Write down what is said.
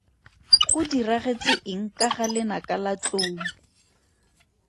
Go diragetse eng ka ga lenaka la tlou?